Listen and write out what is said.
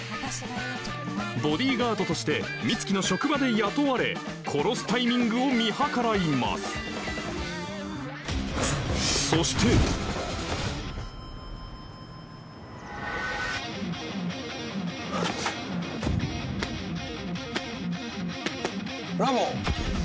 ボディガードとして美月の職場で雇われ殺すタイミングを見計らいますそしてブラボー！